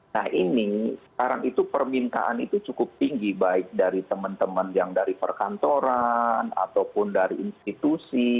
nah ini sekarang itu permintaan itu cukup tinggi baik dari teman teman yang dari perkantoran ataupun dari institusi